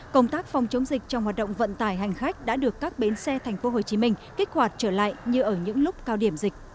công tác phòng chống dịch trong hoạt động vận tải hành khách đã được các bến xe tp hcm kích hoạt trở lại như ở những lúc cao điểm dịch